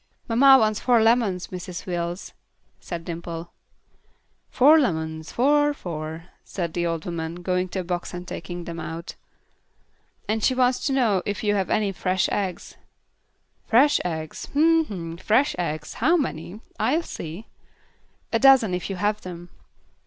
"Mamma wants four lemons, Mrs. Wills," said Dimple. "Four lemons; four four " said the old woman, going to a box and taking them out. "And she wants to know if you have any fresh eggs?" "Fresh eggs. Hm! Hm! Fresh eggs. How many? I'll see." "A dozen if you have them."